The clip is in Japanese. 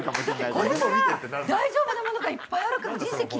これから大丈夫なものがいっぱいあるから。